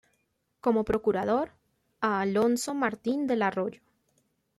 Como procurador, a Alonso Martín del Arroyo.